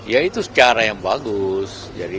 ya itu cara yang bagus